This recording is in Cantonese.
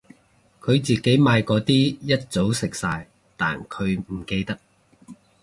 佢自己買嗰啲一早食晒但佢唔記得